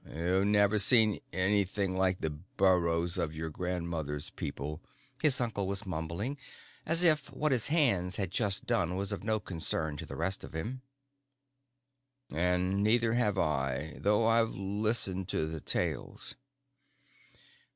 "You've never seen anything like the burrows of your grandmother's people," his uncle was mumbling, as if what his hands had just done was no concern of the rest of him. "And neither have I, though I've listened to the tales."